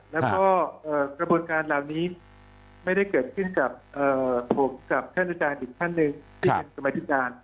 แล้วก็กระบวนการเหล่านี้ไม่ได้เกิดขึ้นกับผมกับท่านอาจารย์อีกท่านหนึ่งที่เป็นกรรมธิการ